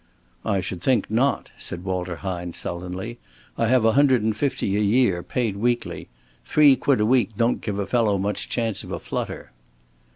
"I should think not," said Walter Hine, sullenly. "I have a hundred and fifty a year, paid weekly. Three quid a week don't give a fellow much chance of a flutter."